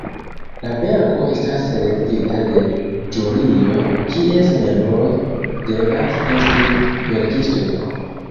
La verko estas selektita de ĵurio, kies membroj devas esti verkistoj.